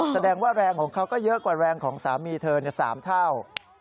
แสดงว่าแรงของเขาก็เยอะกว่าแรงของสามีเธอ๓เท่า